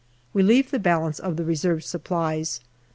We leave the balance of the reserve supplies.